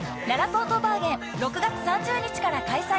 バーゲン６月３０日から開催